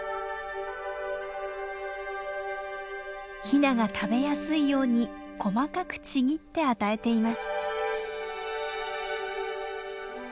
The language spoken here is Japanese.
ヒナが食べやすいように細かくちぎって与えています。